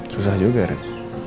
susah juga ren